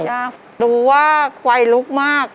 ใช่ดูว่าไฟลุกมาก